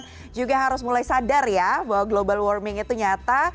kita juga harus mulai sadar ya bahwa global warming itu nyata